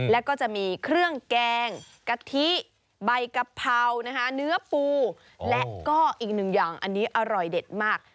แล้วก็จะมีเครื่องแกงกะทิใบกะเพรานะคะเนื้อปูและก็อีกหนึ่งอย่างอันนี้อร่อยเด็ดมาก